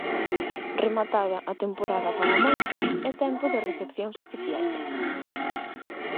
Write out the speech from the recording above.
Rematada a temporada para moitos, é tempo de recepcións oficias.